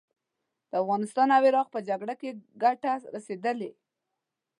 د افغانستان او عراق په جګړه کې ګټه رسېدلې.